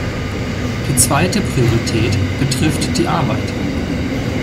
Die zweite Priorität betrifft die Arbeit.